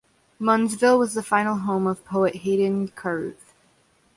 Munnsville was the final home of poet Hayden Carruth.